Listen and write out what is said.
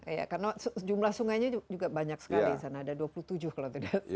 iya karena jumlah sungainya juga banyak sekali di sana ada dua puluh tujuh kalau tidak salah